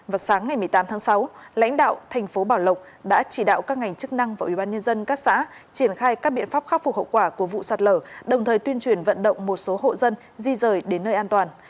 vào sáng ngày một mươi tám tháng sáu lãnh đạo thành phố bảo lộc đã chỉ đạo các ngành chức năng và ubnd các xã triển khai các biện pháp khắc phục hậu quả của vụ sạt lở đồng thời tuyên truyền vận động một số hộ dân di rời đến nơi an toàn